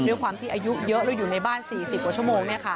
ด้วยความที่อายุเยอะแล้วอยู่ในบ้าน๔๐กว่าชั่วโมง